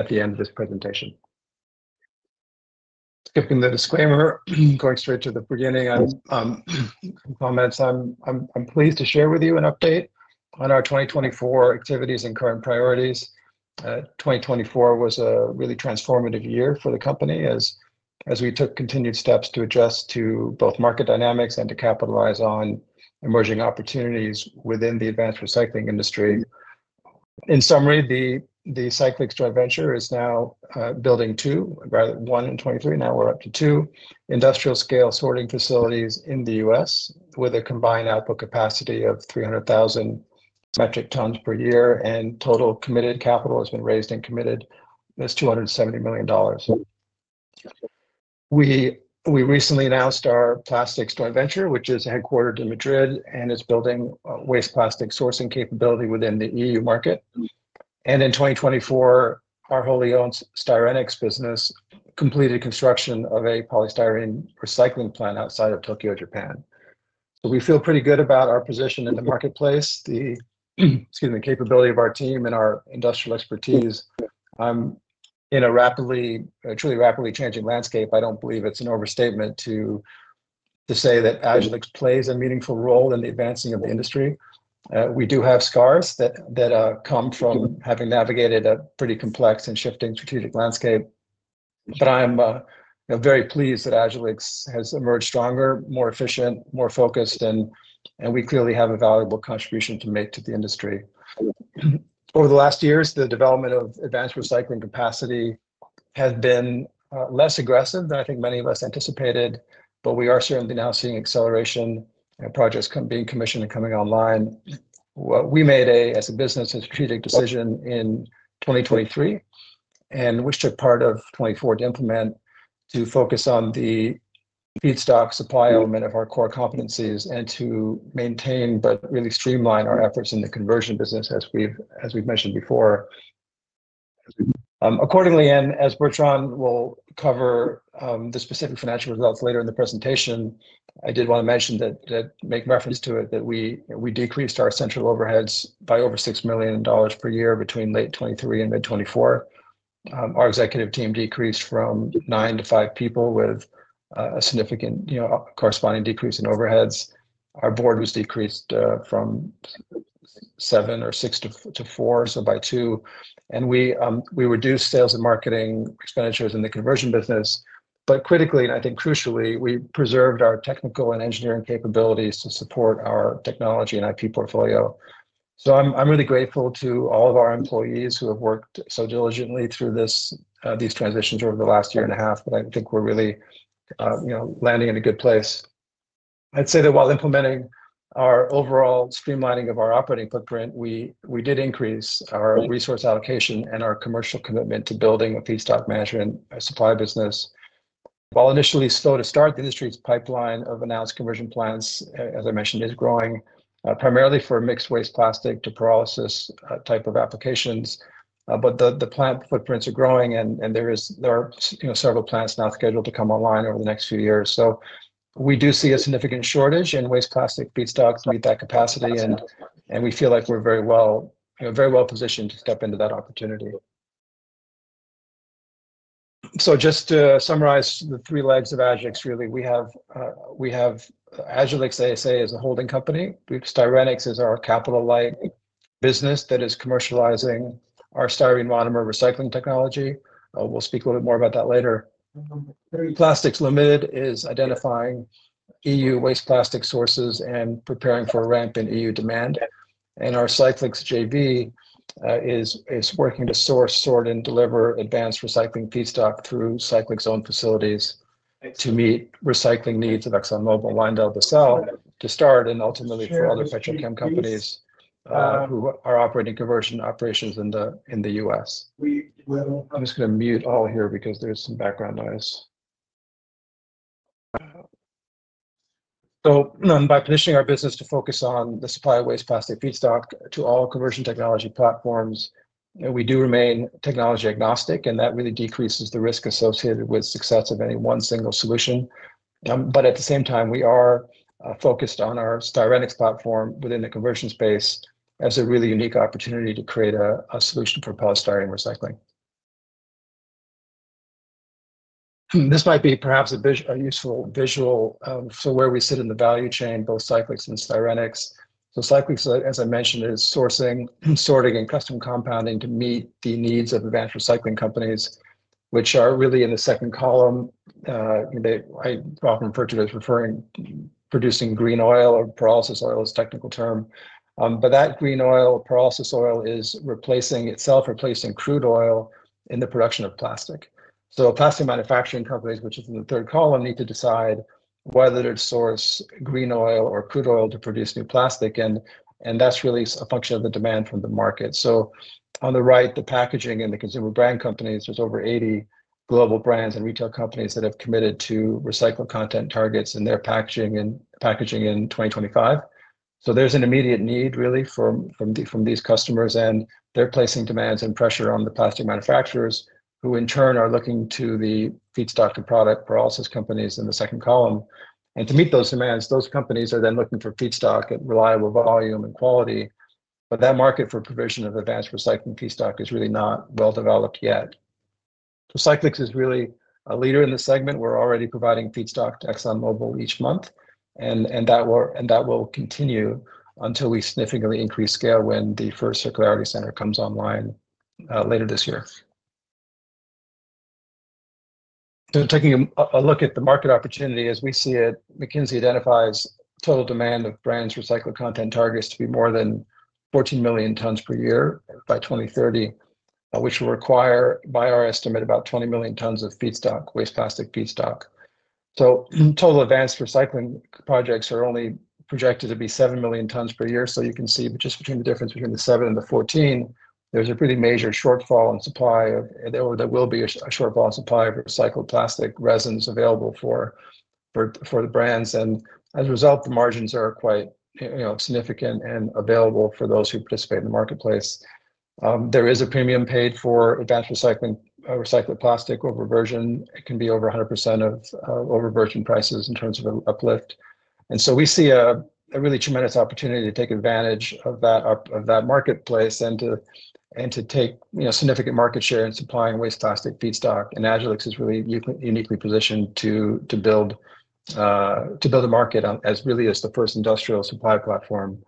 At the end of this presentation. Skipping the disclaimer, going straight to the beginning on some comments, I'm pleased to share with you an update on our 2024 activities and current priorities. 2024 was a really transformative year for the company as we took continued steps to adjust to both market dynamics and to capitalize on emerging opportunities within the advanced recycling industry. In summary, the Cyclyx Joint Venture is now building two, rather one in 2023, now we're up to two industrial-scale sorting facilities in the US with a combined output capacity of 300,000 metric tons per year, and total committed capital has been raised and committed as $270 million. We recently announced our Plastics Joint Venture, which is headquartered in Madrid and is building waste plastic sourcing capability within the EU market. In 2024, our wholly owned Styrenix business completed construction of a polystyrene recycling plant outside of Tokyo, Japan. We feel pretty good about our position in the marketplace, the capability of our team, and our industrial expertise. In a truly rapidly changing landscape, I do not believe it is an overstatement to say that Agilyx plays a meaningful role in the advancing of the industry. We do have scars that come from having navigated a pretty complex and shifting strategic landscape. I am very pleased that Agilyx has emerged stronger, more efficient, more focused, and we clearly have a valuable contribution to make to the industry. Over the last years, the development of advanced recycling capacity has been less aggressive than I think many of us anticipated, but we are certainly now seeing acceleration and projects being commissioned and coming online. We made a, as a business, a strategic decision in 2023, and we took part of 2024 to implement, to focus on the feedstock supply element of our core competencies and to maintain but really streamline our efforts in the conversion business, as we've mentioned before. Accordingly, as Bertrand will cover the specific financial results later in the presentation, I did want to mention that, to make reference to it, that we decreased our central overheads by over $6 million per year between late 2023 and mid-2024. Our executive team decreased from nine to five people with a significant corresponding decrease in overheads. Our board was decreased from seven or six to four, so by two. We reduced sales and marketing expenditures in the conversion business. Critically, and I think crucially, we preserved our technical and engineering capabilities to support our technology and IP portfolio. I'm really grateful to all of our employees who have worked so diligently through these transitions over the last year and a half that I think we're really landing in a good place. I'd say that while implementing our overall streamlining of our operating footprint, we did increase our resource allocation and our commercial commitment to building a feedstock management supply business. While initially slow to start, the industry's pipeline of announced conversion plans, as I mentioned, is growing primarily for mixed waste plastic to pyrolysis type of applications. The plant footprints are growing, and there are several plants now scheduled to come online over the next few years. We do see a significant shortage in waste plastic feedstocks to meet that capacity, and we feel like we're very well positioned to step into that opportunity. Just to summarize the three legs of Agilyx, really, we have Agilyx ASA as a holding company. Styrenix is our capital-light business that is commercializing our styrene monomer recycling technology. We'll speak a little bit more about that later. Plastics Limited is identifying EU waste plastic sources and preparing for a ramp in EU demand. Our Cyclyx JV is working to source, sort, and deliver advanced recycling feedstock through Cyclyx-owned facilities to meet recycling needs of ExxonMobil, LyondellBasell to start, and ultimately for other petrochem companies who are operating conversion operations in the US. I'm just going to mute all here because there's some background noise. By positioning our business to focus on the supply of waste plastic feedstock to all conversion technology platforms, we do remain technology agnostic, and that really decreases the risk associated with success of any one single solution. At the same time, we are focused on our Styrenix platform within the conversion space as a really unique opportunity to create a solution for polystyrene recycling. This might be perhaps a useful visual for where we sit in the value chain, both Cyclyx and Styrenix. Cyclyx, as I mentioned, is sourcing, sorting, and custom compounding to meet the needs of advanced recycling companies, which are really in the second column. I often refer to it as referring to producing green oil or pyrolysis oil as a technical term. That green oil, pyrolysis oil, is replacing itself, replacing crude oil in the production of plastic. Plastic manufacturing companies, which is in the third column, need to decide whether to source green oil or crude oil to produce new plastic, and that's really a function of the demand from the market. On the right, the packaging and the consumer brand companies, there's over 80 global brands and retail companies that have committed to recycled content targets in their packaging in 2025. There's an immediate need really from these customers, and they're placing demands and pressure on the plastic manufacturers who in turn are looking to the feedstock and product pyrolysis companies in the second column. To meet those demands, those companies are then looking for feedstock at reliable volume and quality. That market for provision of advanced recycling feedstock is really not well developed yet. Cyclyx is really a leader in the segment. We're already providing feedstock to ExxonMobil each month, and that will continue until we significantly increase scale when the first circularity center comes online later this year. Taking a look at the market opportunity as we see it, McKinsey identifies total demand of brands' recycled content targets to be more than 14 million tons per year by 2030, which will require, by our estimate, about 20 million tons of feedstock, waste plastic feedstock. Total advanced recycling projects are only projected to be 7 million tons per year. You can see just between the difference between the 7 and the 14, there's a pretty major shortfall in supply of, or there will be a shortfall in supply of recycled plastic resins available for the brands. As a result, the margins are quite significant and available for those who participate in the marketplace. There is a premium paid for advanced recycled plastic over virgin. It can be over 100% of virgin prices in terms of uplift. We see a really tremendous opportunity to take advantage of that marketplace and to take significant market share in supplying waste plastic feedstock. Agilyx is really uniquely positioned to build a market as really as the first industrial supply platform.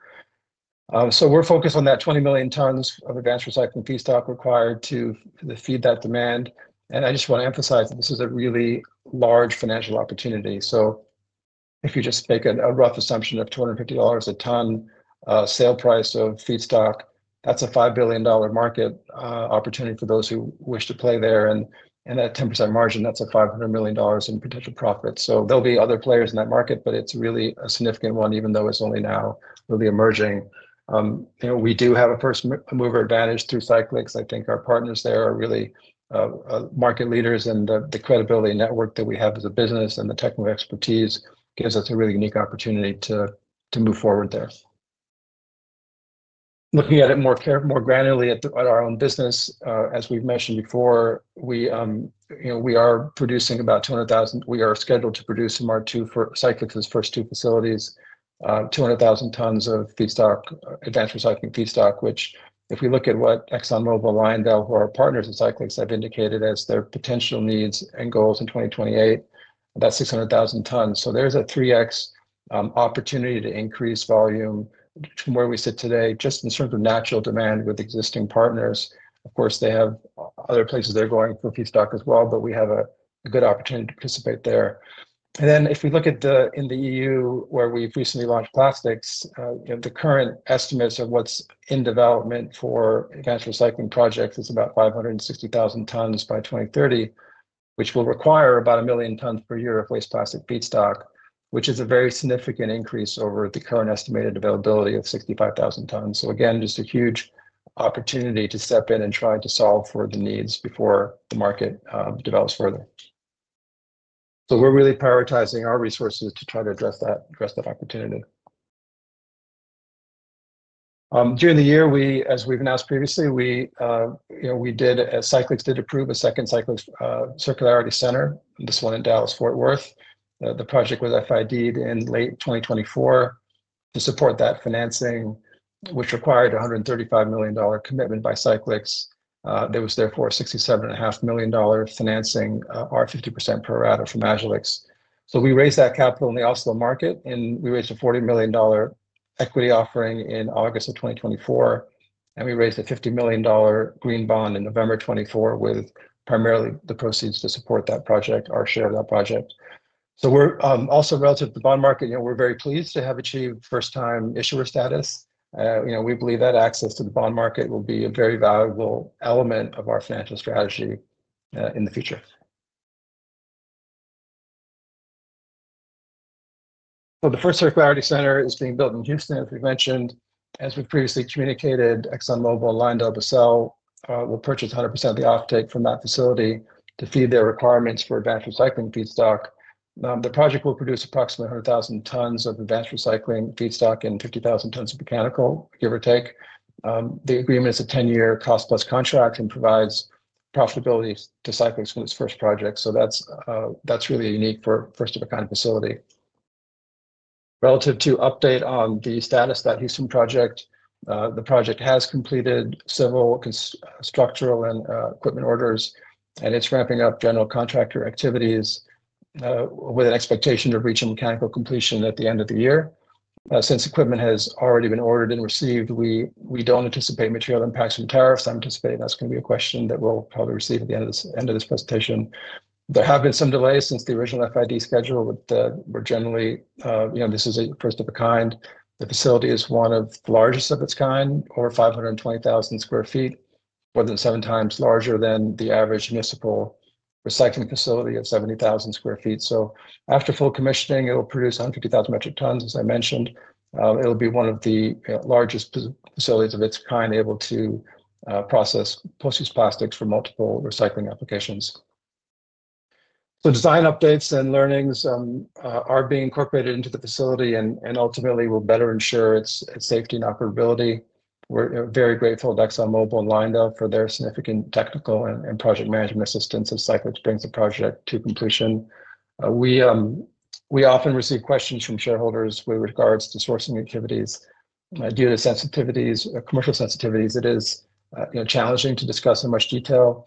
We're focused on that 20 million tons of advanced recycling feedstock required to feed that demand. I just want to emphasize that this is a really large financial opportunity. If you just make a rough assumption of $250 a ton sale price of feedstock, that's a $5 billion market opportunity for those who wish to play there. At 10% margin, that's $500 million in potential profit. There will be other players in that market, but it's really a significant one, even though it's only now really emerging. We do have a first mover advantage through Cyclyx. I think our partners there are really market leaders, and the credibility network that we have as a business and the technical expertise gives us a really unique opportunity to move forward there. Looking at it more granularly at our own business, as we've mentioned before, we are producing about 200,000. We are scheduled to produce in Cyclyx's first two facilities 200,000 tons of advanced recycling feedstock, which if we look at what ExxonMobil, Lyondell, who are partners of Cyclyx, have indicated as their potential needs and goals in 2028, about 600,000 tons. There is a 3x opportunity to increase volume from where we sit today just in terms of natural demand with existing partners. Of course, they have other places they're going for feedstock as well, but we have a good opportunity to participate there. If we look at the EU where we've recently launched Plastics, the current estimates of what's in development for advanced recycling projects is about 560,000 tons by 2030, which will require about 1 million tons per year of waste plastic feedstock, which is a very significant increase over the current estimated availability of 65,000 tons. Just a huge opportunity to step in and try to solve for the needs before the market develops further. We are really prioritizing our resources to try to address that opportunity. During the year, as we've announced previously, Cyclyx did approve a second Cyclyx circularity center, this one in Dallas-Fort Worth. The project was FID'd in late 2024 to support that financing, which required a $135 million commitment by Cyclyx. There was therefore a $67.5 million financing, our 50% prorata from Agilyx. We raised that capital in the Oslo market, and we raised a $40 million equity offering in August of 2024. We raised a $50 million green bond in November 2024 with primarily the proceeds to support that project, our share of that project. Also relative to the bond market, we're very pleased to have achieved first-time issuer status. We believe that access to the bond market will be a very valuable element of our financial strategy in the future. The first circularity center is being built in Houston, as we've mentioned. As we've previously communicated, ExxonMobil, LyondellBaselll will purchase 100% of the offtake from that facility to feed their requirements for advanced recycling feedstock. The project will produce approximately 100,000 tons of advanced recycling feedstock and 50,000 tons of mechanical, give or take. The agreement is a 10-year cost-plus contract and provides profitability to Cyclyx from this first project. That is really a unique first-of-a-kind facility. Relative to update on the status of that Houston project, the project has completed several structural and equipment orders, and it is ramping up general contractor activities with an expectation of reaching mechanical completion at the end of the year. Since equipment has already been ordered and received, we do not anticipate material impacts from tariffs. I anticipate that is going to be a question that we will probably receive at the end of this presentation. There have been some delays since the original FID schedule, but we are generally, this is a first-of-a-kind. The facility is one of the largest of its kind, over 520,000 sq ft, more than seven times larger than the average municipal recycling facility of 70,000 sq ft. After full commissioning, it will produce 150,000 metric tons, as I mentioned. It will be one of the largest facilities of its kind able to process post-use plastics for multiple recycling applications. Design updates and learnings are being incorporated into the facility and ultimately will better ensure its safety and operability. We are very grateful to ExxonMobil and LyondellBasell for their significant technical and project management assistance as Cyclyx brings the project to completion. We often receive questions from shareholders with regards to sourcing activities. Due to commercial sensitivities, it is challenging to discuss in much detail.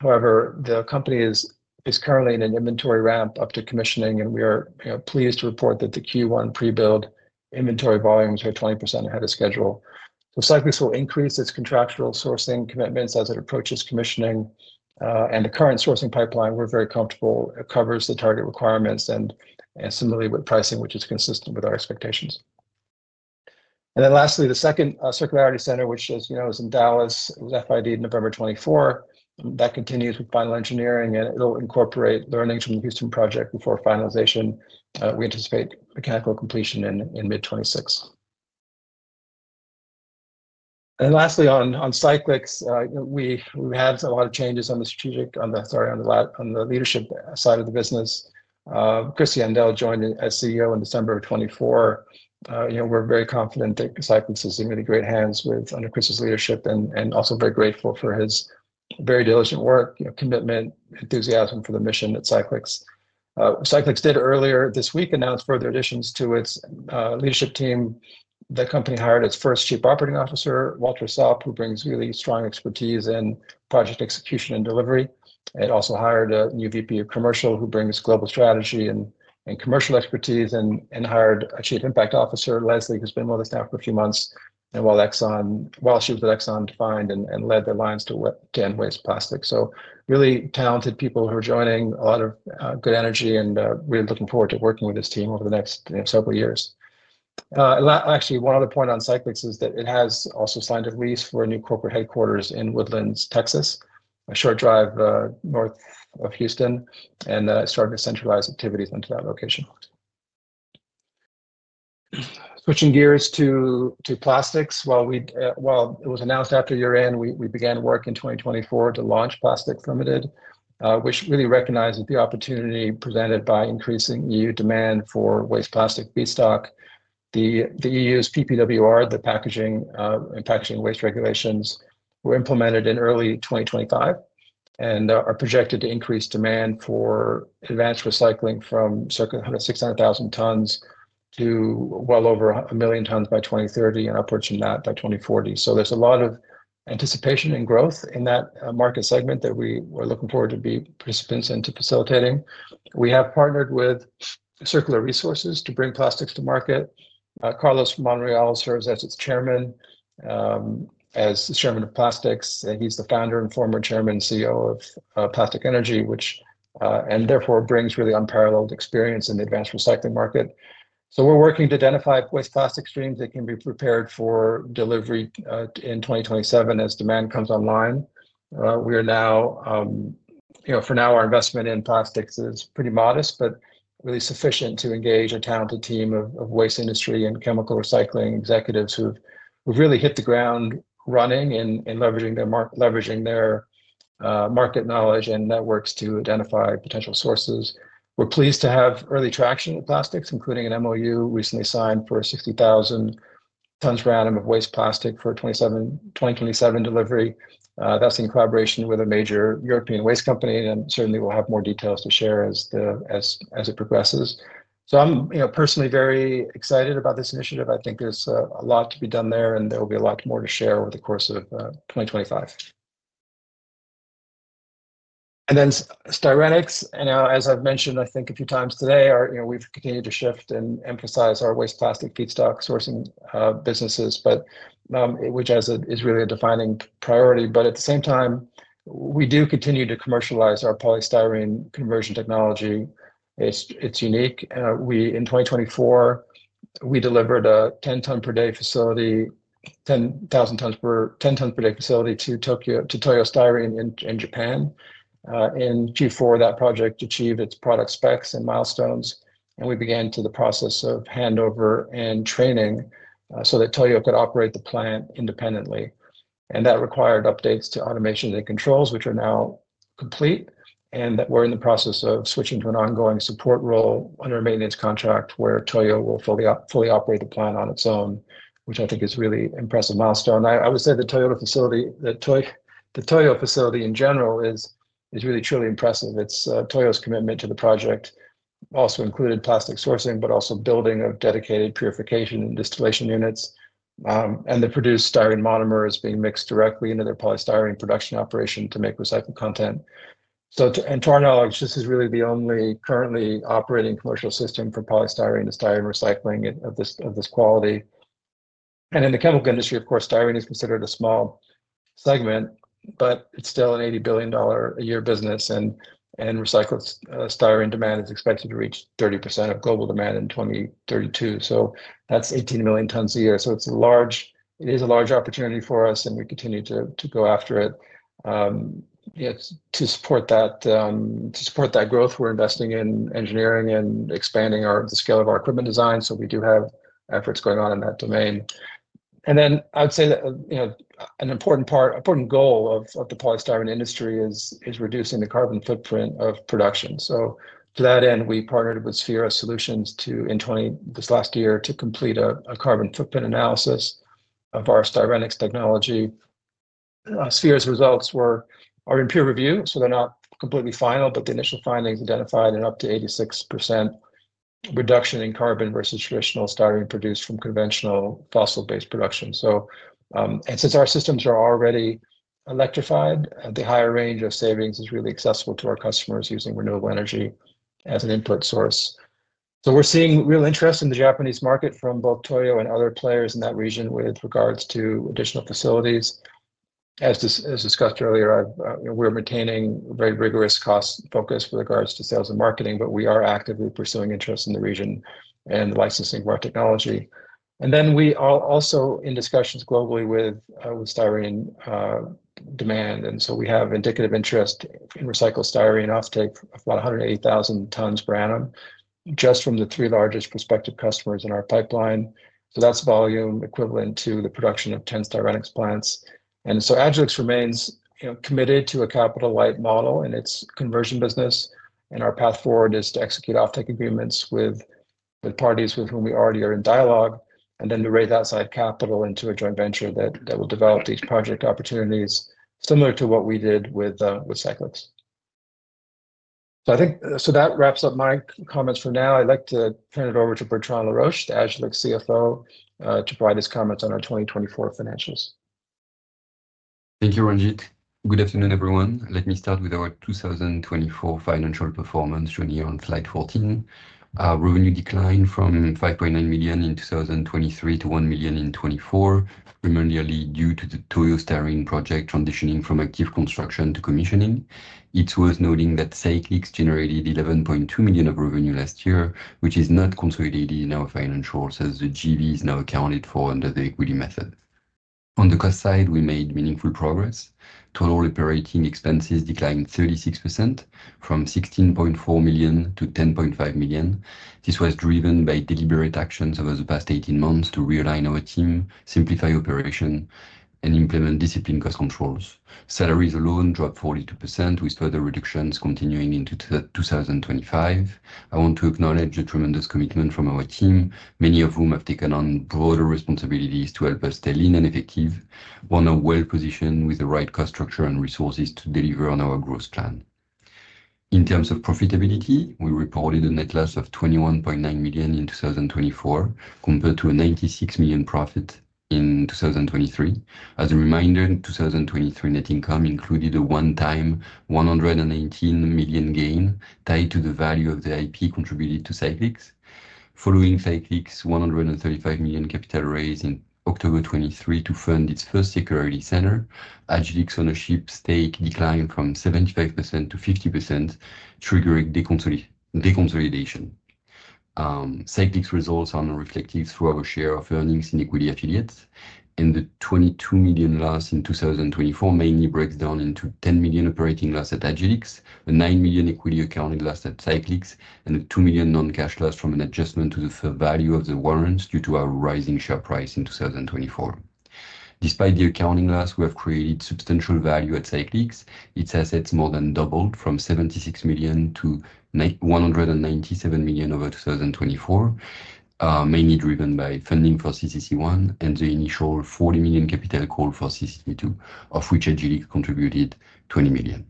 However, the company is currently in an inventory ramp up to commissioning, and we are pleased to report that the Q1 pre-build inventory volumes are 20% ahead of schedule. Cyclyx will increase its contractual sourcing commitments as it approaches commissioning. The current sourcing pipeline, we are very comfortable. It covers the target requirements and similarly with pricing, which is consistent with our expectations. Lastly, the second circularity center, which is in Dallas, was FID'd in November 2024. That continues with final engineering, and it will incorporate learnings from the Houston project before finalization. We anticipate mechanical completion in mid-2026. Lastly, on Cyclyx, we had a lot of changes on the strategic, sorry, on the leadership side of the business. Chris Yandell joined as CEO in December 2024. We are very confident that Cyclyx is in really great hands under Chris's leadership and also very grateful for his very diligent work, commitment, enthusiasm for the mission at Cyclyx. Cyclyx did earlier this week announce further additions to its leadership team. The company hired its first Chief Operating Officer, Walter Sopp, who brings really strong expertise in project execution and delivery. It also hired a new VP of Commercial who brings global strategy and commercial expertise and hired a Chief Impact Officer, Leslie, who's been with us now for a few months, and while she was at ExxonMobil defined and led the lines to end waste plastic. Really talented people who are joining, a lot of good energy, and we're looking forward to working with this team over the next several years. Actually, one other point on Cyclyx is that it has also signed a lease for a new corporate headquarters in The Woodlands, Texas, a short drive north of Houston, and starting to centralize activities into that location. Switching gears to Plastics, while it was announced after year-end, we began work in 2024 to launch Plastics Limited, which really recognizes the opportunity presented by increasing EU demand for waste plastic feedstock. The EU's PPWR, the packaging and packaging waste regulations, were implemented in early 2025 and are projected to increase demand for advanced recycling from 600,000 tons to well over a million tons by 2030 and upwards from that by 2040. There is a lot of anticipation and growth in that market segment that we are looking forward to be participants in facilitating. We have partnered with Circular Resources to bring plastics to market. Carlos Monreal serves as its Chairman of Plastics. He is the founder and former Chairman and CEO of Plastic Energy, which therefore brings really unparalleled experience in the advanced recycling market. We are working to identify waste plastic streams that can be prepared for delivery in 2027 as demand comes online. We are now, for now, our investment in Plastics Limited is pretty modest, but really sufficient to engage a talented team of waste industry and chemical recycling executives who have really hit the ground running and leveraging their market knowledge and networks to identify potential sources. We're pleased to have early traction with Plastics Limited, including an MOU recently signed for 60,000 tons per annum of waste plastic for 2027 delivery. That's in collaboration with a major European waste company, and certainly we'll have more details to share as it progresses. I am personally very excited about this initiative. I think there's a lot to be done there, and there will be a lot more to share over the course of 2025. Styrenix, as I've mentioned, I think a few times today, we've continued to shift and emphasize our waste plastic feedstock sourcing businesses, which is really a defining priority. At the same time, we do continue to commercialize our polystyrene conversion technology. It's unique. In 2024, we delivered a 10-ton per day facility, 10,000 tons per day facility to Toyo Styrene in Japan. In Q4, that project achieved its product specs and milestones, and we began the process of handover and training so that Toyo could operate the plant independently. That required updates to automation and controls, which are now complete, and we are in the process of switching to an ongoing support role under a maintenance contract where Toyo will fully operate the plant on its own, which I think is a really impressive milestone. I would say the Toyo facility in general is really truly impressive. Toyo's commitment to the project also included plastic sourcing but also building of dedicated purification and distillation units. The produced styrene monomer is being mixed directly into their polystyrene production operation to make recycled content. To our knowledge, this is really the only currently operating commercial system for polystyrene and styrene recycling of this quality. In the chemical industry, of course, styrene is considered a small segment, but it is still an $80 billion a year business. Recycled styrene demand is expected to reach 30% of global demand in 2032. That is 18 million tons a year. It is a large opportunity for us, and we continue to go after it. To support that growth, we are investing in engineering and expanding the scale of our equipment design. We do have efforts going on in that domain. I would say an important goal of the polystyrene industry is reducing the carbon footprint of production. To that end, we partnered with Sphera Solutions this last year to complete a carbon footprint analysis of our Styrenix technology. Sphera's results are in peer review, so they're not completely final, but the initial findings identified an up to 86% reduction in carbon versus traditional styrene produced from conventional fossil-based production. Since our systems are already electrified, the higher range of savings is really accessible to our customers using renewable energy as an input source. We are seeing real interest in the Japanese market from both Toyo Styrene and other players in that region with regards to additional facilities. As discussed earlier, we are maintaining a very rigorous cost focus with regards to sales and marketing, but we are actively pursuing interest in the region and licensing of our technology. We are also in discussions globally with styrene demand. We have indicative interest in recycled styrene offtake of about 180,000 tons per annum just from the three largest prospective customers in our pipeline. That is volume equivalent to the production of 10 Styrenix plants. Agilyx remains committed to a capital-light model in its conversion business. Our path forward is to execute offtake agreements with parties with whom we already are in dialogue and then to raise outside capital into a joint venture that will develop these project opportunities similar to what we did with Cyclyx. That wraps up my comments for now. I would like to turn it over to Bertrand Laroche, Agilyx CFO, to provide his comments on our 2024 financials. Thank you, Ranjeet. Good afternoon, everyone. Let me start with our 2024 financial performance shown here on slide 14. Revenue declined from $5.9 million in 2023 to $1 million in 2024, primarily due to the Toyo Styrene project transitioning from active construction to commissioning. It's worth noting that Cyclyx generated $11.2 million of revenue last year, which is not consolidated in our financials as the JV is now accounted for under the equity method. On the cost side, we made meaningful progress. Total operating expenses declined 36% from $16.4 million to $10.5 million. This was driven by deliberate actions over the past 18 months to realign our team, simplify operation, and implement disciplined cost controls. Salaries alone dropped 42% with further reductions continuing into 2025. I want to acknowledge the tremendous commitment from our team, many of whom have taken on broader responsibilities to help us stay lean and effective, while now well-positioned with the right cost structure and resources to deliver on our growth plan. In terms of profitability, we reported a net loss of $21.9 million in 2024 compared to a $96 million profit in 2023. As a reminder, 2023 net income included a one-time $118 million gain tied to the value of the IP contributed to Cyclyx. Following Cyclyx's $135 million capital raise in October 2023 to fund its first circularity center, Agilyx ownership stake declined from 75% to 50%, triggering deconsolidation. Cyclyx results are now reflected through our share of earnings in equity affiliates. The $22 million loss in 2024 mainly breaks down into a $10 million operating loss at Agilyx, a $9 million equity accounted loss at Cyclyx, and a $2 million non-cash loss from an adjustment to the value of the warrants due to our rising share price in 2024. Despite the accounting loss, we have created substantial value at Cyclyx. Its assets more than doubled from $76 million to $197 million over 2024, mainly driven by funding for CCC1 and the initial $40 million capital call for CCC2, of which Agilyx contributed $20 million.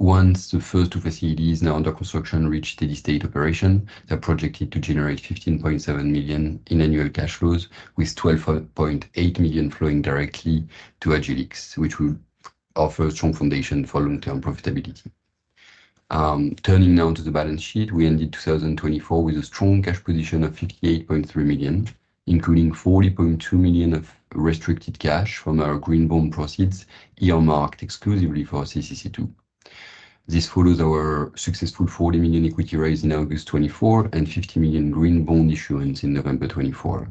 Once the first two facilities now under construction reach steady-state operation, they're projected to generate $15.7 million in annual cash flows, with $12.8 million flowing directly to Agilyx, which will offer a strong foundation for long-term profitability. Turning now to the balance sheet, we ended 2024 with a strong cash position of $58.3 million, including $40.2 million of restricted cash from our green bond proceeds earmarked exclusively for CCC2. This follows our successful $40 million equity raise in August 2024 and $50 million green bond issuance in November 2024.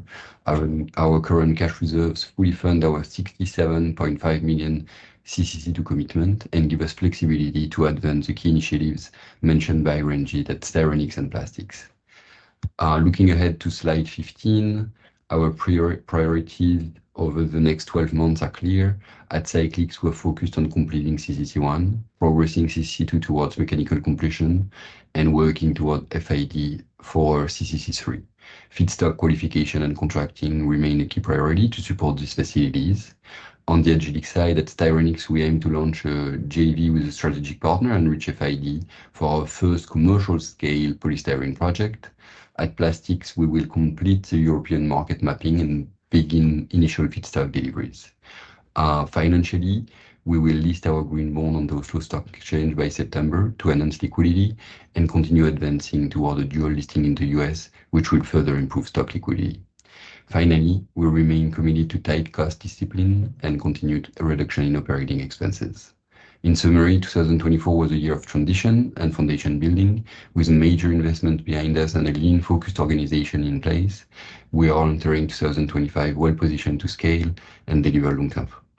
Our current cash reserves fully fund our $67.5 million CCC2 commitment and give us flexibility to advance the key initiatives mentioned by Ranjeet at Styrenix and Plastics. Looking ahead to slide 15, our priorities over the next 12 months are clear. At Cyclyx, we're focused on completing CCC1, progressing CCC2 towards mechanical completion, and working towards FID for CCC3. Feedstock qualification and contracting remain a key priority to support these facilities. On the Agilyx side, at Styrenix, we aim to launch a JV with a strategic partner and reach FID for our first commercial-scale polystyrene project. At Plastics, we will complete the European market mapping and begin initial feedstock deliveries. Financially, we will list our green bond on the Oslo Stock Exchange by September to enhance liquidity and continue advancing toward a dual listing in the US, which will further improve stock liquidity. Finally, we remain committed to tight cost discipline and continued reduction in operating expenses. In summary, 2024 was a year of transition and foundation building, with major investments behind us and a lean-focused organization in place. We are entering 2025 well-positioned to scale and deliver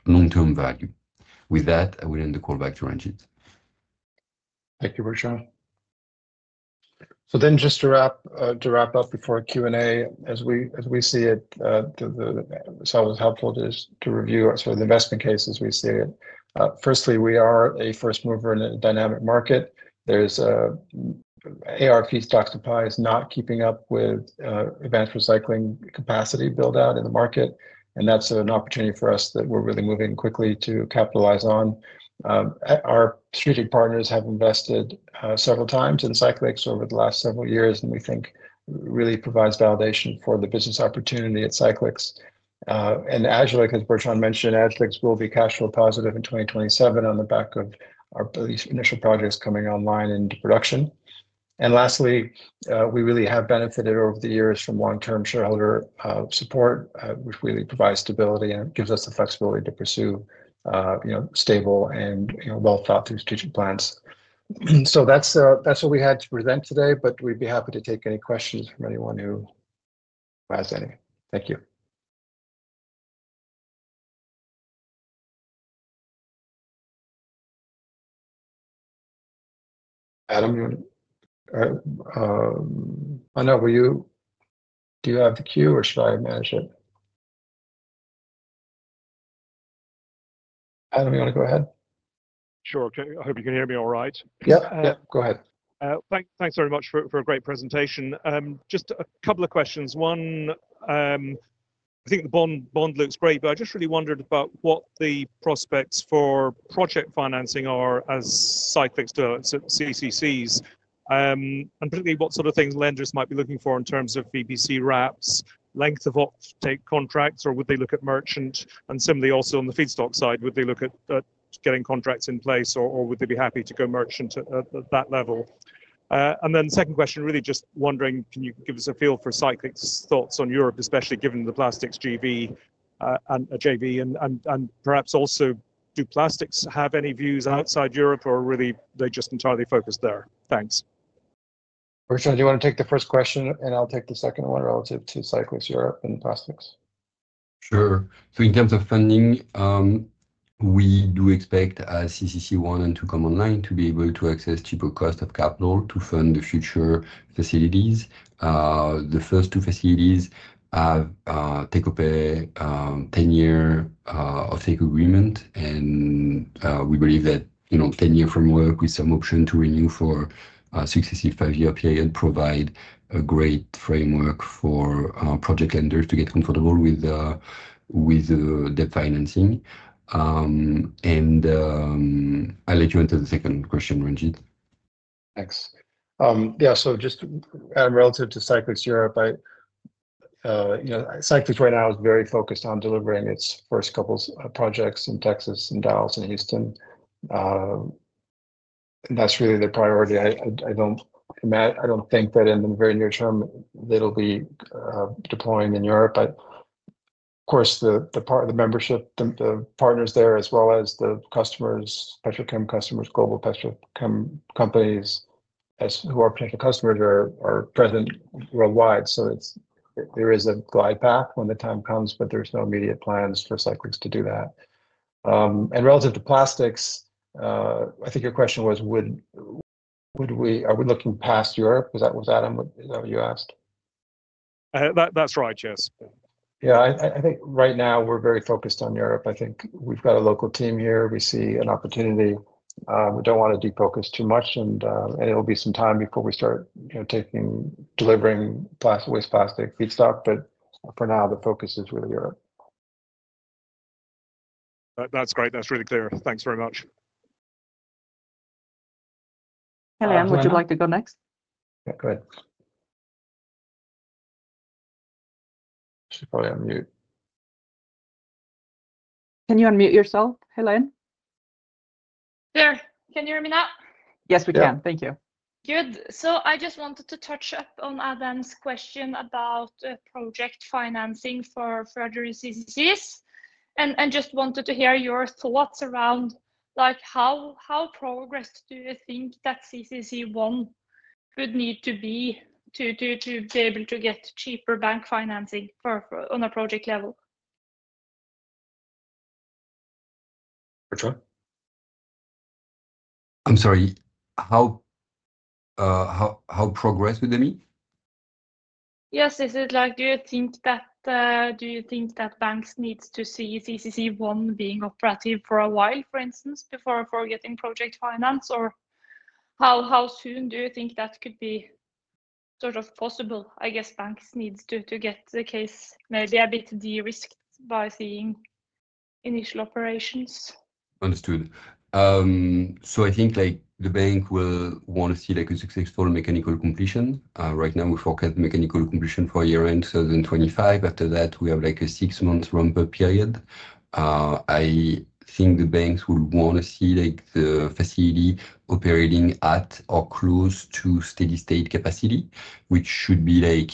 long-term value. With that, I will end the call back to Ranjeet. Thank you, Bertrand. Just to wrap up before Q&A, as we see it, it was helpful to review sort of the investment cases we see. Firstly, we are a first mover in a dynamic market. There is ARP stock supply not keeping up with advanced recycling capacity build-out in the market. That is an opportunity for us that we are really moving quickly to capitalize on. Our strategic partners have invested several times in Cyclyx over the last several years, and we think really provides validation for the business opportunity at Cyclyx. As Bertrand mentioned, Agilyx will be cash flow positive in 2027 on the back of our initial projects coming online into production. Lastly, we really have benefited over the years from long-term shareholder support, which really provides stability and gives us the flexibility to pursue stable and well-thought-through strategic plans. That is what we had to present today, but we would be happy to take any questions from anyone who has any. Thank you. Adam, you want to—I know, were you—do you have the queue, or should I manage it? Adam, you want to go ahead? Sure. I hope you can hear me all right. Yep. Yep. Go ahead. Thanks very much for a great presentation. Just a couple of questions. One, I think the bond looks great, but I just really wondered about what the prospects for project financing are as Cyclyx deals at CCCs, and particularly what sort of things lenders might be looking for in terms of VPC wraps, length of offtake contracts, or would they look at merchant? Similarly, also on the feedstock side, would they look at getting contracts in place, or would they be happy to go merchant at that level? The second question, really just wondering, can you give us a feel for Cyclyx's thoughts on Europe, especially given the Plastics JV, and perhaps also do Plastics have any views outside Europe, or really they just entirely focus there? Thanks. Bertrand, do you want to take the first question, and I'll take the second one relative to Cyclyx Europe and Plastics? Sure. In terms of funding, we do expect CCC1 and 2.9 to be able to access cheaper cost of capital to fund the future facilities. The first two facilities have taken up a 10-year offtake agreement, and we believe that 10-year framework with some option to renew for a successive five-year period provides a great framework for project lenders to get comfortable with the debt financing. I'll let you answer the second question, Ranjeet. Thanks. Yeah. Just relative to Cyclyx Europe, Cyclyx right now is very focused on delivering its first couple of projects in Texas, in Dallas, and Houston. That's really the priority. I don't think that in the very near term they'll be deploying in Europe. Of course, the membership, the partners there, as well as the customers, Petrochem customers, global Petrochem companies who are potential customers are present worldwide. There is a glide path when the time comes, but there's no immediate plans for Cyclyx to do that. Relative to Plastics, I think your question was, are we looking past Europe? Was that what you asked? That's right, yes. Yeah. I think right now we're very focused on Europe. I think we've got a local team here. We see an opportunity. We don't want to defocus too much, and it'll be some time before we start delivering waste plastic feedstock. For now, the focus is really Europe. That's great. That's really clear. Thanks very much. Helene, would you like to go next? Yeah. Go ahead. She's probably on mute. Can you unmute yourself, Helene? There. Can you hear me now? Yes, we can. Thank you. Good. I just wanted to touch up on Adam's question about project financing for further CCCs and just wanted to hear your thoughts around how progressed do you think that CCC1 would need to be to be able to get cheaper bank financing on a project level. Bertrand? I'm sorry. How progressed would they be? Yes. Is it like do you think that do you think that banks need to see CCC1 being operative for a while, for instance, before getting project finance? Or how soon do you think that could be sort of possible? I guess banks need to get the case maybe a bit de-risked by seeing initial operations. Understood. I think the bank will want to see a successful mechanical completion. Right now, we forecast mechanical completion for year-end 2025. After that, we have a six-month ramp-up period. I think the banks will want to see the facility operating at or close to steady-state capacity, which should be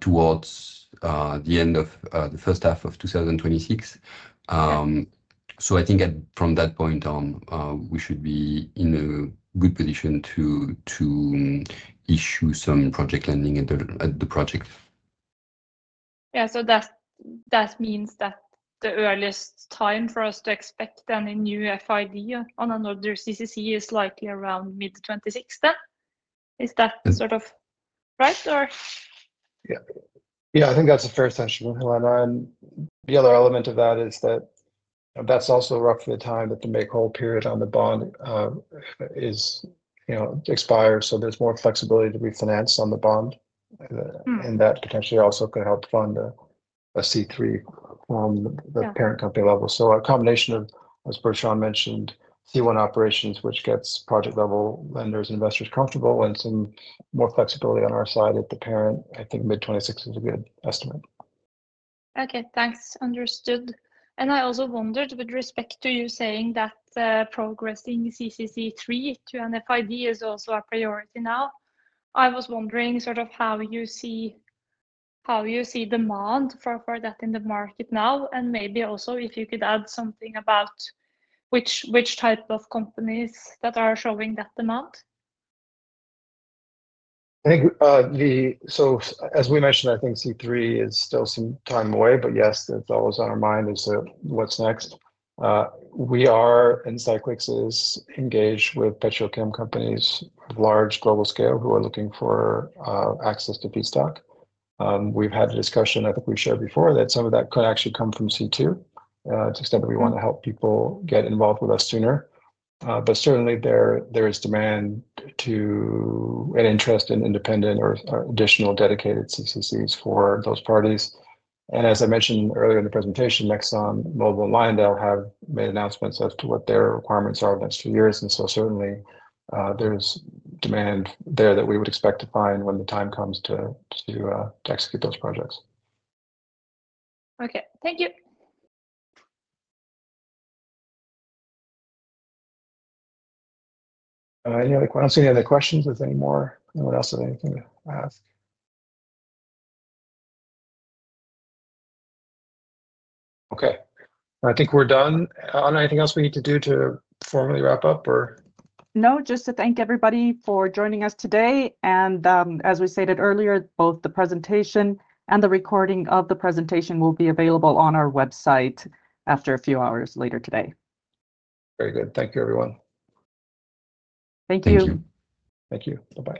towards the end of the first half of 2026. I think from that point on, we should be in a good position to issue some project lending at the project. Yeah. That means that the earliest time for us to expect any new FID on another CCC is likely around mid-2026. Is that sort of right, or? Yeah. Yeah. I think that's a fair assessment, Helena. The other element of that is that that's also roughly the time that the make-whole period on the bond expires, so there's more flexibility to refinance on the bond. That potentially also could help fund a C3 from the parent company level. A combination of, as Bertrand mentioned, C1 operations, which gets project-level lenders and investors comfortable, and some more flexibility on our side at the parent, I think mid-2026 is a good estimate. Okay. Thanks. Understood. I also wondered with respect to you saying that progressing CCC3 to an FID is also a priority now, I was wondering sort of how you see demand for that in the market now, and maybe also if you could add something about which type of companies that are showing that demand. As we mentioned, I think C3 is still some time away, but yes, that's always on our mind is what's next. We are in Cyclyx's engaged with petrochem companies of large global scale who are looking for access to feedstock. We've had a discussion, I think we've shared before, that some of that could actually come from C2 to the extent that we want to help people get involved with us sooner. Certainly, there is demand and interest in independent or additional dedicated CCCs for those parties. As I mentioned earlier in the presentation, ExxonMobil, Lyondell have made announcements as to what their requirements are in the next few years. Certainly, there's demand there that we would expect to find when the time comes to execute those projects. Okay. Thank you. Any other questions? Any other questions? Is there any more? Anyone else have anything to ask? Okay. I think we're done. Ana, anything else we need to do to formally wrap up, or? No, just to thank everybody for joining us today. As we stated earlier, both the presentation and the recording of the presentation will be available on our website after a few hours later today. Very good. Thank you, everyone. Thank you. Thank you. Thank you. Bye-bye.